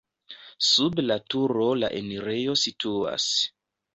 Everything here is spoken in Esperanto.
Sub la turo la enirejo situas.